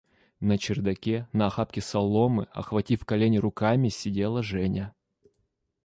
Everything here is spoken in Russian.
На чердаке на охапке соломы, охватив колени руками, сидела Женя.